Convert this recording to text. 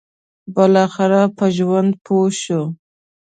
بالاخره په ژوند پوه شو.